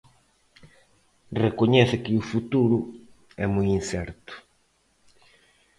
Recoñece que o futuro "é moi incerto".